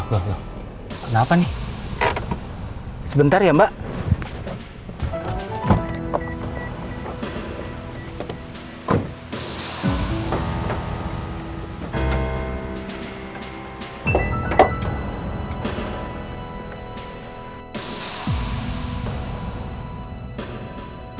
yorgan untuk menurutnya dihubungkan dengan